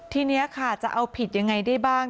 ทีนี้ค่ะจะเอาผิดยังไงได้บ้าง